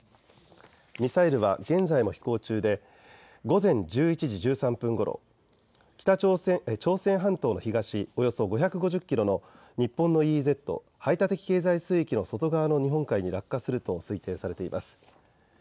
ミサイルは現在も飛行中で午前１１時１３分ごろ、朝鮮半島の東およそ５５０キロの日本のＥＥＺ・排他的経済水域の外側の日本海に落下すると推定されています。